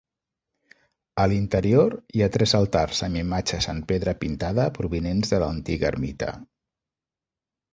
A l'interior hi ha tres altars amb imatges en pedra pintada provinents de l'antiga ermita.